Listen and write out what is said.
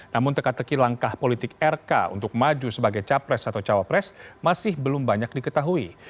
namun teka teki langkah politik rk untuk maju sebagai capres atau cawapres masih belum banyak diketahui